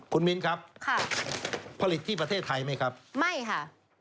คุณมิ้นครับค่ะผลิตที่ประเทศไทยไหมครับไม่ค่ะ